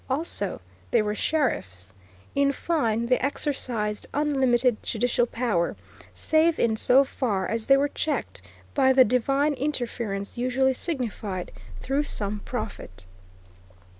Also they were sheriffs. In fine they exercised unlimited judicial power, save in so far as they were checked by the divine interference usually signified through some prophet.